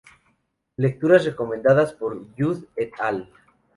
Lecturas recomendadas por Judd et al.